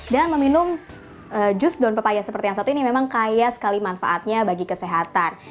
dan meminum jus daun pepaya seperti yang satu ini memang kaya sekali manfaatnya bagi kesehatan